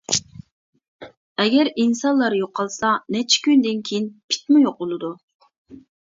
ئەگەر ئىنسانلار يوقالسا نەچچە كۈندىن كېيىن پىتمۇ يوقىلىدۇ.